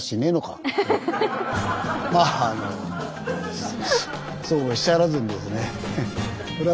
まああのそうおっしゃらずにですね。